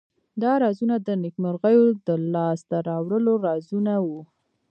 دا رازونه د نیکمرغیو د لاس ته راوړلو رازونه وو.